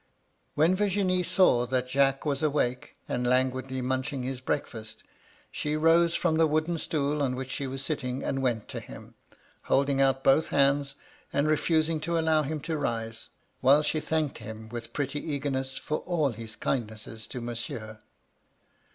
" When Virginie saw that Jacques was awake, and languidly munching his breakfiast, she rose from the wooden stool on which she was sitting, and went to him, holding out both hands, and refusing to allow him to rise, while she thanked him with pretty eagerness for all his kindness to Monsieur.